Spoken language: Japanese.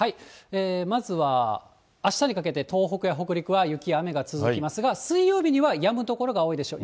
まずはあしたにかけて、東北や北陸は雪や雨が続きますが、水曜日にはやむ所が多いでしょう。